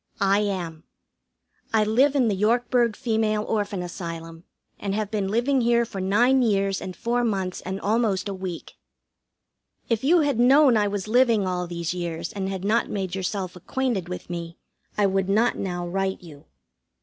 I am. I live in the Yorkburg Female Orphan Asylum, and have been living here for nine years and four months and almost a week. If you had known I was living all these years and had not made yourself acquainted with me, I would not now write you.